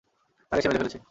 তাকে সে মেরে ফেলেছে।